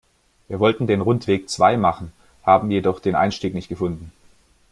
Wir wollten den Rundweg zwei machen, haben jedoch den Einstieg nicht gefunden.